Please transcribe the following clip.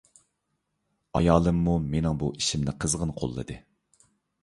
ئايالىممۇ مېنىڭ بۇ ئىشىمنى قىزغىن قوللىدى.